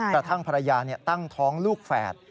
กระทั่งภรรยาตั้งท้องลูกแฝด